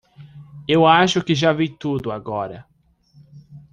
Eu acho que já vi tudo agora.